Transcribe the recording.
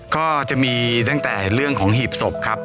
ก็จะมีตั้งแต่เรื่องของหีบศพครับ